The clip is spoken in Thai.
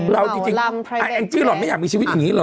จริงแองจี้หล่อนไม่อยากมีชีวิตอย่างนี้หรอ